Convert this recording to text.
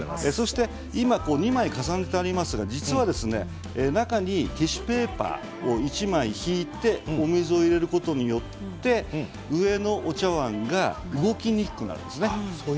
今、２枚重ねてありますが中にティッシュペーパーを１枚敷いてお水を入れることによって上のお茶わんが動きにくくなるんですね。